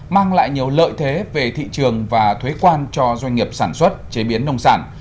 mang lại nhiều lợi thế về thị trường và thuế quan cho doanh nghiệp sản xuất chế biến nông sản